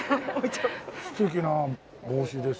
素敵な帽子です。